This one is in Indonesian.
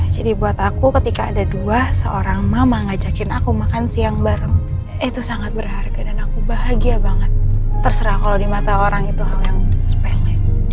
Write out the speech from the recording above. jadi buat aku ketika ada dua seorang mama ngajakin aku makan siang bareng itu sangat berharga dan aku bahagia banget terserah kalau di mata orang itu hal yang sepele